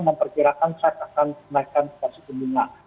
dan federal reserve akan menaikkan fasilitasi bunga